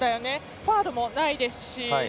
ファウルもないですし。